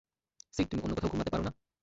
Seed, তুমি অন্য কোথাও ঘুমাতে পারো না?